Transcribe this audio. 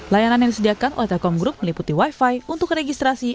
layanan yang disediakan oleh telkom group meliputi wifi untuk registrasi